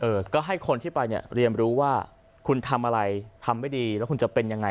เออก็ให้คนที่ไปเนี่ยเรียนรู้ว่าคุณทำอะไรทำไม่ดีแล้วคุณจะเป็นยังไง